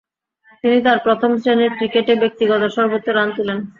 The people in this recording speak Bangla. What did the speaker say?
তিনি তার প্রথম-শ্রেণীর ক্রিকেটে ব্যক্তিগত সর্বোচ্চ রান তুলেন।